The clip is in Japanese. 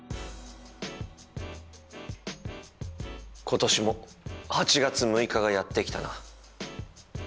今年も８月６日がやって来たな。